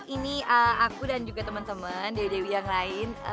ini aku dan juga teman teman dewi dewi yang lain